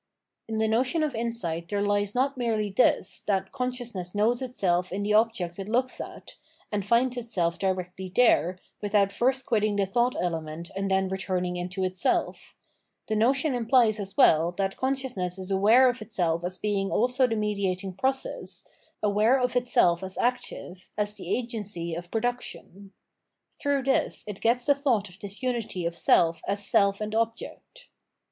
In the notion of insight there hes not merely this, that consciousness knows itself in the object it looks at, and finds itself directly there, without first quitting the thought element and then returning into itself ; the notion imphes as well that consciousness is aware of itself as being also the mediating process, aware of itself as active, as the agency of production. Through this it gets the thought of this unity of self as self and object.